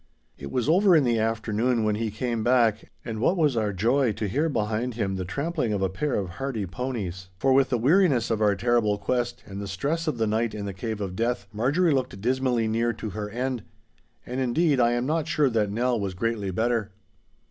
It was over in the afternoon when he came back, and what was our joy to hear behind him the trampling of a pair of hardy ponies, for with the weariness of her terrible quest and the stress of the night in the Cave of Death, Marjorie looked dismally near to her end. And, indeed, I am not sure that Nell was greatly better.